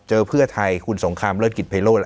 เจอเพื่อไทยคุณสงครามเลิศกิจเผยโลก